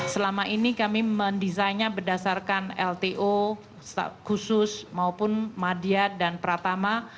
selama ini kami mendesainnya berdasarkan lto khusus maupun madya dan pratama